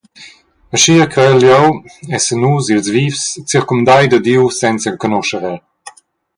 Aschia creiel jeu essan nus, ils vivs, circumdai da Diu, senza enconuscher El.